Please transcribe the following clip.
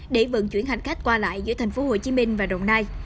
để vận chuyển hành khách qua lại giữa tp hcm và đồng nai